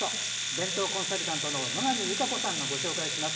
弁当コンサルタントの野上優佳子さんがご紹介します。